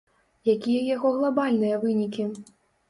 Якія яго глабальныя вынікі?